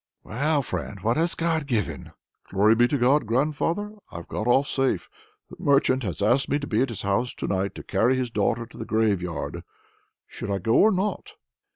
"Well, friend, what has God given?" "Glory be to God, grandfather, I've got off safe! The merchant has asked me to be at his house to night, to carry his daughter to the graveyard. Should I go or not?"